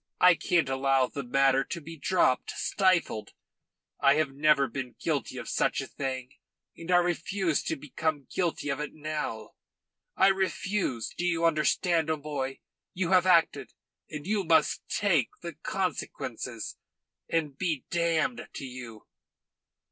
I can't allow the matter to be dropped, stifled. I have never been guilty of such a thing, and I refuse to become guilty of it now. I refuse do you understand? O'Moy, you have acted; and you must take the consequences, and be damned to you."